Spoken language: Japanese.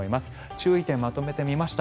注意点をまとめてみました。